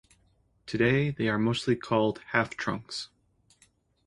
Today, they are mostly called "half-trunks".